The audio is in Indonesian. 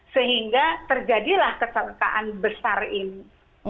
sehingga terjadilah kecelakaan besar ini